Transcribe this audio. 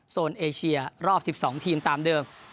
โซนเอเชียรอบ๑๒ทีมตามเดิม